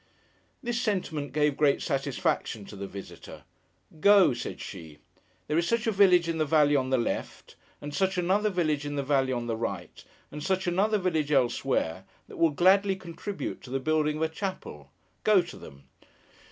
This sentiment gave great satisfaction to the visitor. 'Go!' said she. 'There is such a village in the valley on the left, and such another village in the valley on the right, and such another village elsewhere, that will gladly contribute to the building of a chapel. Go to them!